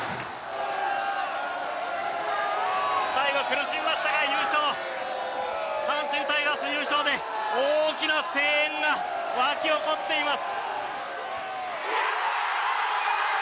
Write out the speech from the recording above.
最後、苦しみましたが優勝阪神タイガースの優勝で大きな声援が沸き起こっています。